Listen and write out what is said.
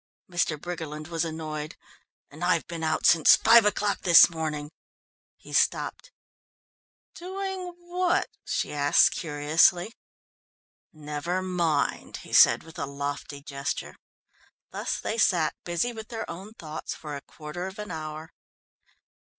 Mr. Briggerland was annoyed. "And I've been out since five o'clock this morning " he stopped. "Doing what?" she asked curiously. "Never mind," he said with a lofty gesture. Thus they sat, busy with their own thoughts, for a quarter of an hour.